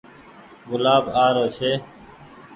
گلآب آ رو ڇي ۔